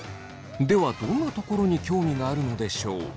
ではどんなところに興味があるのでしょう。